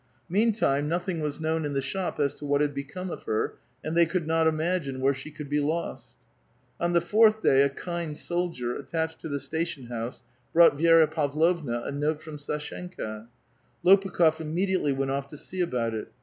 Meantime, nothing was known in tlie shop as to what had become of her, and they could not imagine where she could be lost. On the fourth day a kind soldier, attached to the station house, brought Vi6ra Pavlovna a note from Sdshenka. Lopukh6f immediately went off to see about it.